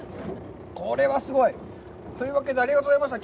これはすごい。というわけで、ありがとうございました。